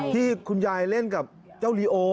ที่คุณยายเล่นกับเจ้าลีโอ